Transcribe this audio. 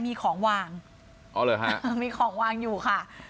มีของวางอ๋อเหรอฮะมีของวางอยู่ค่ะ